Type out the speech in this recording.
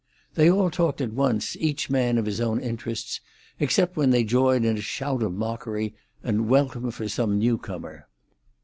They all talked at once, each man of his own interests, except when they joined in a shout of mockery and welcome for some new comer.